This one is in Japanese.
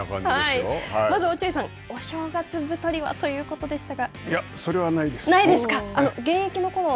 まずは落合さん、お正月太りは？ということでしたが。